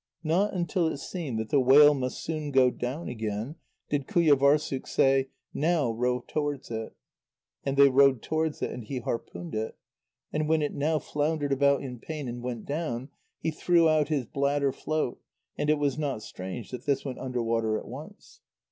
Not until it seemed that the whale must soon go down again did Qujâvârssuk say: "Now row towards it." And they rowed towards it, and he harpooned it. And when it now floundered about in pain and went down, he threw out his bladder float, and it was not strange that this went under water at once.